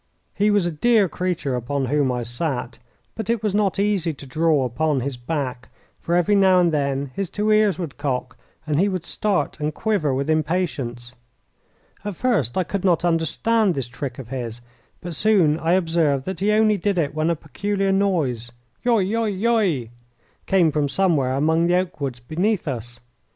He was a dear creature upon whom I sat, but it was not easy to draw upon his back, for every now and then his two ears would cock, and he would start and quiver with impatience. At first I could not understand this trick of his, but soon I observed that he only did it when a peculiar noise "yoy, yoy, yoy" came from somewhere among the oak woods beneath us.